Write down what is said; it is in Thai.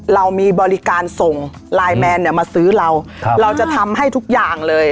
เรามีบริการส่งไลน์แมนเนี่ยมาซื้อเราเราจะทำให้ทุกอย่างเลย